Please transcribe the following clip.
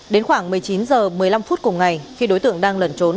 đến khoảng một mươi chín h một mươi năm phút cùng ngày khi đối tượng đang lẩn trốn